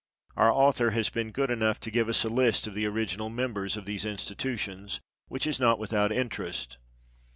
Our author has been xxiv THE EDITOR'S PREFACE. good enough to give us a list of the original members of these institutions, which is not without interest.